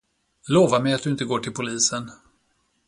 Lova mig att du inte går till polisen!